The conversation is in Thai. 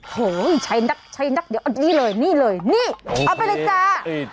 โหใช้นักนี่เลยนี่เอาไปเลยจ้ะ